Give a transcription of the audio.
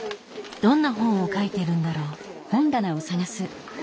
どんな本を描いてるんだろう？